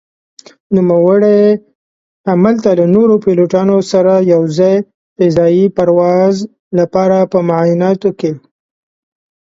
نوموړي هملته له نورو پيلوټانو سره يو ځاى فضايي پرواز لپاره په معايناتو کې